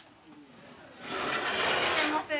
いらっしゃいませ。